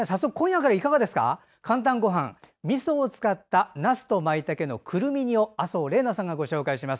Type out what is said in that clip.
「かんたんごはん」はみそを使ったなすとまいたけのくるみ煮を麻生怜菜さんがご紹介します。